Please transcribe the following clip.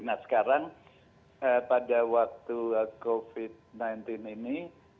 nah sekarang pada waktu covid sembilan belas ini